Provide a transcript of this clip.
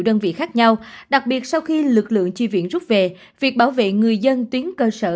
đơn vị khác nhau đặc biệt sau khi lực lượng chi viện rút về việc bảo vệ người dân tuyến cơ sở